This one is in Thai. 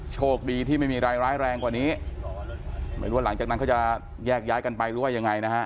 โชคดีที่ไม่มีรายร้ายแรงกว่านี้ไม่รู้ว่าหลังจากนั้นเขาจะแยกย้ายกันไปหรือว่ายังไงนะฮะ